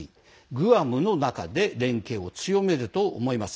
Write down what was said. ＧＵＡＭの中で連携を強めると思います。